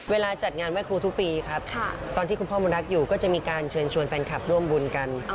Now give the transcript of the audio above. เวลาจัดงานไหว้ครูทุกปีครับตอนที่คุณพ่อมนรักอยู่ก็จะมีการเชิญชวนแฟนคลับร่วมบุญกัน